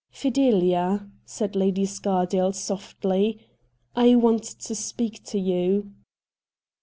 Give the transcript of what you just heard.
• Fidelia,' said Lady Scardale softly, ' I want to speak to you.'